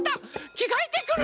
きがえてくる！